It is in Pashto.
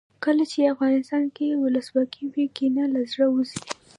کله چې افغانستان کې ولسواکي وي کینه له زړه وځي.